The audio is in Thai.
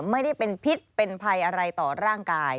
ไม่ได้เป็นพิษเป็นภัยอะไรต่อร่างกาย